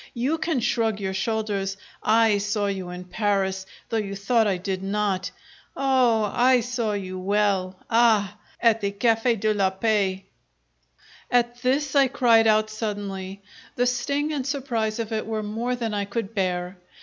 You can shrug your shoulders! I saw you in Paris, though you thought I did not! Oh, I saw you well! Ah! At the Cafe de la Paiz!" At this I cried out suddenly. The sting and surprise of it were more than I could bear.